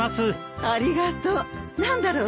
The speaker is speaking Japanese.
ありがとう。何だろうね。